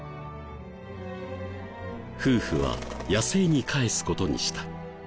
夫婦は野生に返す事にした。